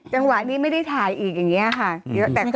จังหวะนี้ไม่ได้ถ่ายอีก